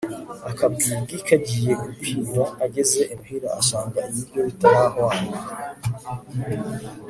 akabwibwi kagiye gukwira ageze imuhira, asanga ibiryo bitarahwana